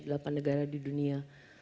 delapan negara di dunia